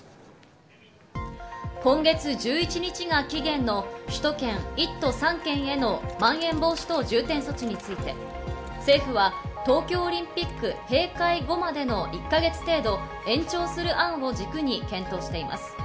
今月１１日が期限の首都圏１都３県へのまん延防止等重点措置について政府は東京オリンピック閉会後までの１か月程度、延長する案を軸に検討しています。